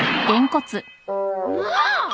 もう！